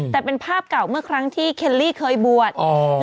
แต่เป็นภาพเก่าเมื่อครั้งที่เคลลี่เคยบวช